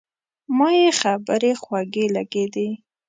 ما یې خبرې خوږې لګېدې.